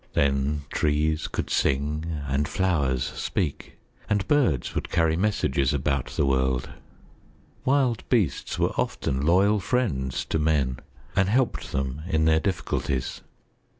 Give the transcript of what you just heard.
Then trees could sing and flowers speak and birds would carry messages about the world; wild beasts were often loyal friends to men and helped them in their difficulties.